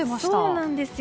そうなんですよ。